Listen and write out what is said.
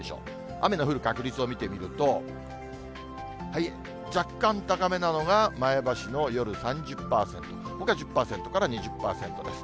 雨の降る確率を見てみると、若干高めなのが、前橋の夜３０％、ほか１０％から２０％です。